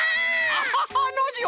アハハノージー